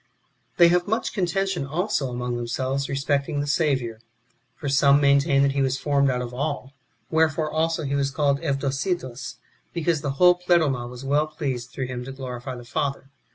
4. They have much contention also among themselves respecting the Saviour. For some maintain that he was formed out of all ; wherefore also he was called Eudocetos, because the whole Pleroma was ivell pleased through him to glorify the Father.